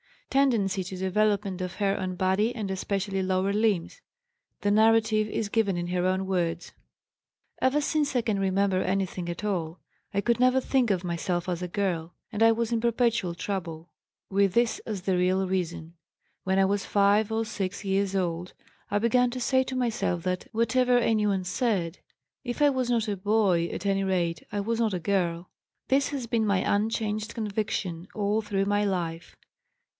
Tendency to development of hair on body and especially lower limbs. The narrative is given in her own words: "Ever since I can remember anything at all I could never think of myself as a girl and I was in perpetual trouble, with this as the real reason. When I was 5 or 6 years old I began to say to myself that, whatever anyone said, if I was not a boy at any rate I was not a girl. This has been my unchanged conviction all through my life.